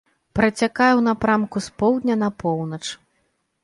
Працякае ў напрамку з поўдня на поўнач.